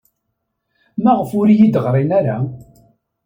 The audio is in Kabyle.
Maɣef ur iyi-d-ɣrin ara?